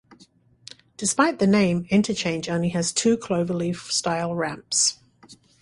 Despite the name, the interchange has only two cloverleaf-style ramps.